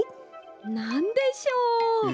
なんでしょう？